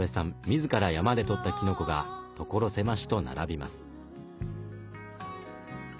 自ら山で採ったきのこが所狭しと並びます。